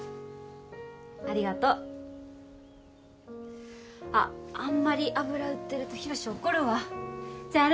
ありがとうあっあんまり油売ってると博怒るわじゃああれ